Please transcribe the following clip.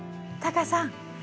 タカさん